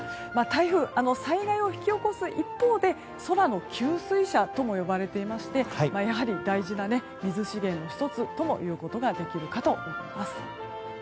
台風、災害を引き起こす一方で空の給水車とも呼ばれていまして大事な水資源の１つともいうことができるかと思います。